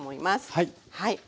はい。